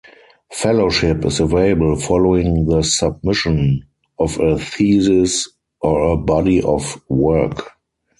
Fellowship is available following the submission of a thesis or a body of work.